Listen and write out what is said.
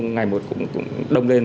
ngày một cũng đông lên